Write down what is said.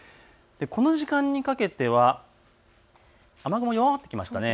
この時間にかけては雨雲が弱まってきました。